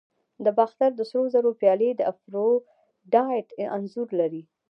د باختر د سرو زرو پیالې د افروډایټ انځور لري